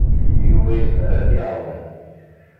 Yuba yezmer ad d-iɛawen.